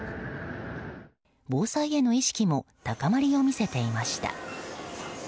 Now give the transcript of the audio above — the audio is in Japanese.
防災への意識も高まりを見せていました。